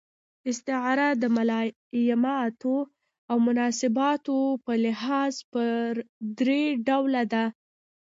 استعاره د ملایماتو او مناسباتو په لحاظ پر درې ډوله ده.